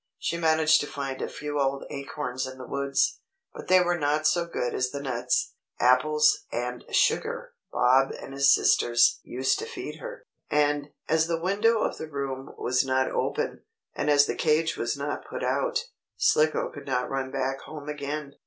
She managed to find a few old acorns in the woods, but they were not so good as the nuts, apples and sugar Bob and his sisters used to feed her. And, as the window of the room was not open, and as the cage was not put out, Slicko could not run back home again.